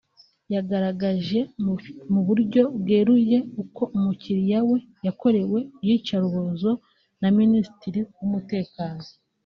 yagaragaje mu buryo bweruye uko umukiliya we yakorewe iyicarubozo na Minisitiri w’Umutekano